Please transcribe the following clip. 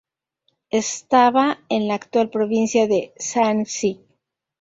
Estaba en la actual provincia de Shaanxi.